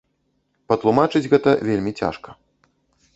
Патлумачыць гэта вельмі цяжка.